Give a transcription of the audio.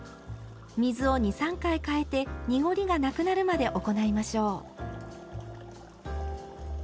水を２３回かえて濁りがなくなるまで行いましょう。